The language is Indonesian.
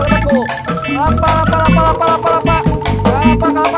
kelapa kelapa kelapa kelapa